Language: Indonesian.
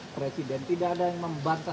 presiden tidak ada yang membantah